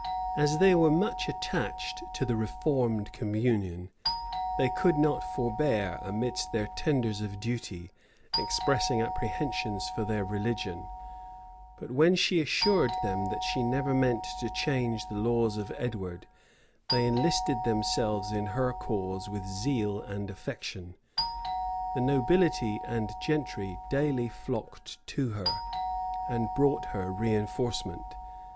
As they were much attached to the reformed communion, they could not forbear, amidst their tenders of duty, expressing apprehensions for their religion; but when she assured them that she never meant to change the laws of Edward, they enlisted themselves in her cause with zeal and affection. The nobility and gentry daily flocked to her, and brought her reënforcement.